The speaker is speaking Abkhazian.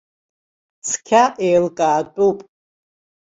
Цқьа еилкаатәуп.